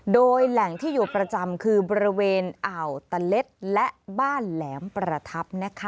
โดยแหล่งที่อยู่ประจำคือบริเวณอ่าวตะเล็ดและบ้านแหลมประทับ